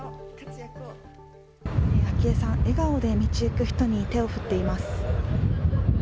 昭恵さん、笑顔で道行く人に手を振っています。